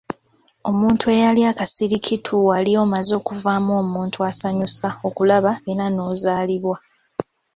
Omuntu eyali akasirikitu wali omaze okuvaamu omuntu asanyusa okulaba era n'ozaalibwa.